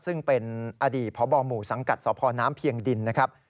ซึ่งเป็นอดีตพบหมู่สังกัดสพน้ำเพียงดินนะครับ